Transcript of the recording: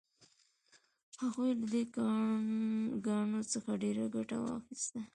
هغوی له دې کاڼو څخه ډیره ګټه واخیسته.